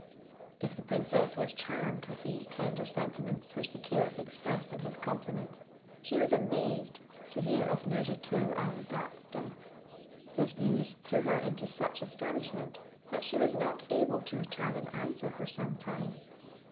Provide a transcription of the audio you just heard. " If the princess was charmed with these tender sentiments which the caliph expressed in his compliments, she was amazed to hear of Nouzhatoulaouadat's death. This news threw her into such astonishment, that she was not able to return an answer for some time.